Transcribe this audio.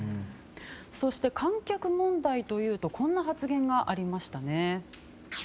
そして、観客問題というとこんな発言がありましたね。